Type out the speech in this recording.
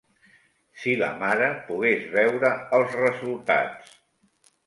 Si la mare pogués veure els resultats.